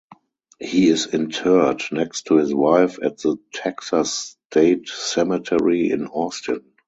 He is interred next to his wife at the Texas State Cemetery in Austin.